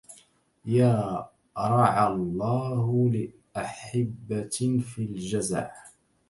يا رعى الله للأحبة في الجزع